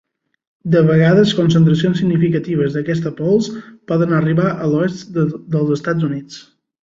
De vegades concentracions significatives d’aquesta pols poden arribar a l’oest dels Estats Units.